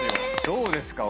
どうですか？